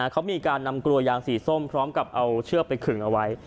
เขามีการนำกลัวยางสีส้มพร้อมกับเอาเชือกไปขึงเอาไว้